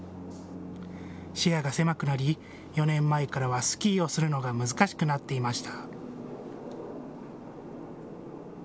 視野が狭くなり４年前からはスキーをするのが難しくなっていました。